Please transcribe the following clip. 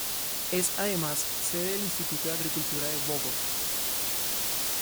Es además sede del Instituto de Agricultura de Bogor.